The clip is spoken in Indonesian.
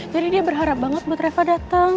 jadi dia berharap banget buat reva dateng